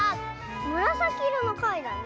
むらさきいろのかいだね。